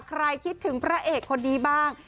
คิดถึงพระเอกคนนี้บ้าง